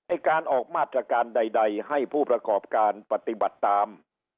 การออกมาตรการใดให้ผู้ประกอบการปฏิบัติตาม